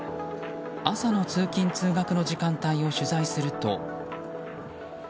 朝の通勤・通学の時間帯を取材すると。